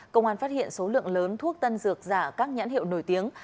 công an phát hiện số lượng lớn thuốc tân dược giả các nhãn hiệu nổi tiếng